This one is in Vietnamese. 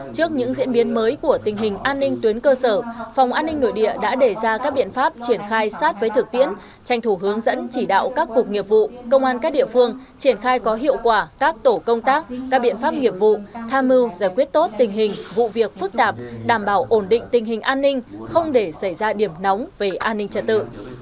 trước những diễn biến mới của tình hình an ninh tuyến cơ sở phòng an ninh nội địa đã để ra các biện pháp triển khai sát với thực tiễn tranh thủ hướng dẫn chỉ đạo các cuộc nghiệp vụ công an các địa phương triển khai có hiệu quả các tổ công tác các biện pháp nghiệp vụ tha mưu giải quyết tốt tình hình vụ việc phức tạp đảm bảo ổn định tình hình an ninh không để xảy ra điểm nóng về an ninh trật tự